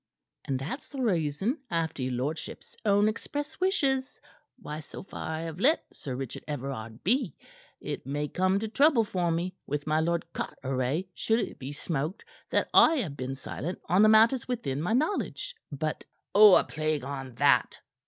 "And that's the reason after your lordship's own express wishes why so far I have let Sir Richard Everard be. It may come to trouble for me with my Lord Carteret should it be smoked that I have been silent on the matters within my knowledge. But " "Oh, a plague on that!"